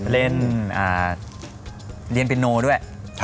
เล่นเรียนปิโนด้วย